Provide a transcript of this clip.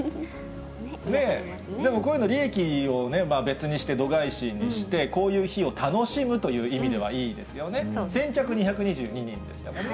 でも、こういうの利益を別にして、度外視にして、こういう日を楽しむという意味ではいいですよね。